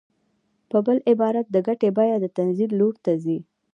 په بل عبارت د ګټې بیه د تنزل لوري ته ځي